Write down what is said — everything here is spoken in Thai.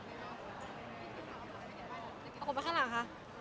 เอากลับไปข้างหลังค่ะ